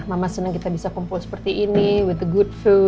mama senang kita bisa kumpul seperti ini dengan makanan yang enak